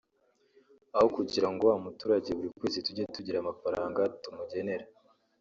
aho kugira ngo wa muturage buri kwezi tujye tugira amafaranga tumugenera